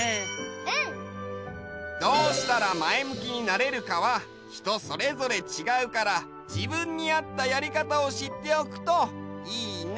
うん！どうしたらまえむきになれるかはひとそれぞれちがうからじぶんにあったやりかたをしっておくといいね！